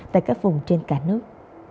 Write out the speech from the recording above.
tại các vùng trên cả nước